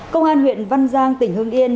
công an huyện văn giang tỉnh hương yên